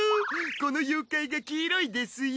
この妖怪が黄色いですよ。